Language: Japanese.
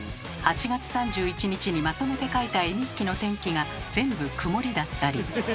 ８月３１日にまとめて書いた絵日記の天気が全部「くもり」だったり。